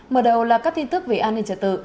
mở đầu là các tin tức về an ninh trật tự